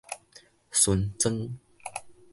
巡庄